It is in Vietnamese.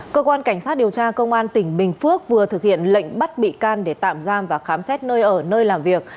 cơ quan cảnh sát điều tra công an tỉnh bình phước vừa thực hiện lệnh bắt bị can để tạm giam và khám xét nơi ở nơi làm việc